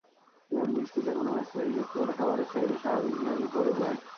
যেমন বৃষ্টিতে কোনো ম্যাচ পরিত্যক্ত হলে খাবারের চাহিদা স্বাভাবিকভাবেই পড়ে যায়।